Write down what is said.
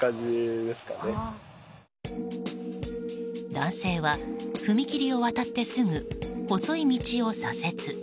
男性は踏切を渡ってすぐ細い道を左折。